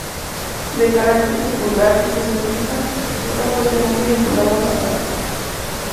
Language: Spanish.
De carácter secular y socialista, está fuertemente vinculado a Fatah.